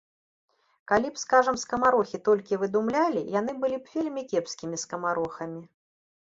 Калі б, скажам, скамарохі толькі выдумлялі, яны былі б вельмі кепскімі скамарохамі.